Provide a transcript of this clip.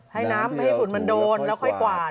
ให้น้ำให้ฝุ่นมันโดนแล้วค่อยกวาด